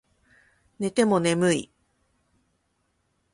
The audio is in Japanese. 寝ても眠い